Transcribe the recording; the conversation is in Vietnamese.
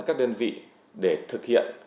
các đơn vị để thực hiện